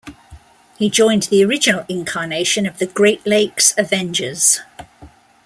He joined the original incarnation of the Great Lakes Avengers.